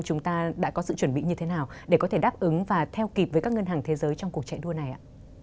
chúng ta đã có sự chuẩn bị như thế nào để có thể đáp ứng và theo kịp với các ngân hàng thế giới trong cuộc chạy đua này ạ